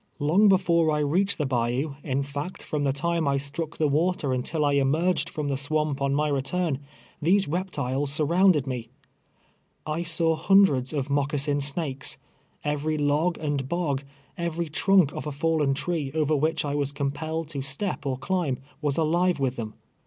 Long before I readied the bayou, in fact, from the time I struck the water until I emer ged from the swamp on my return, these reptiles surrounded me. I saw hundreds of moccasin snakes. Every log and bog — every trunk of a fidlen tree, over which I was compelled to step or climb, was alive with them.